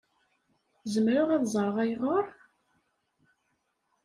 Zemreɣ ad ẓṛeɣ ayɣeṛ?